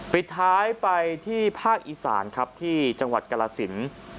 ปิดท้ายไปที่ภาคอีสานครับที่จังหวัดกรสิน